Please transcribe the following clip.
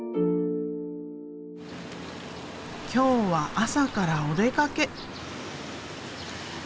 今日は朝からお出かけ。